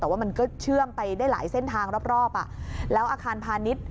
แต่ว่ามันก็เชื่อมไปได้หลายเส้นทางรอบอ่ะแล้วอาคารพาณิชย์